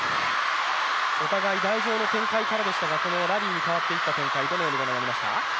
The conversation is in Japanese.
お互い台上の展開からでしたが、ラリーに変わっていった展開、どうでしたか？